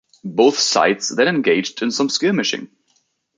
Both sides then engaged in some skirmishing.